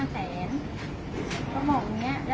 เขาบอกเนี่ย